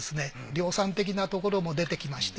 量産的なところも出てきまして。